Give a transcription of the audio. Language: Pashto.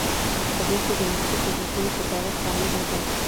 په دې کې د ملکي خدمتونو اداره شامله ده.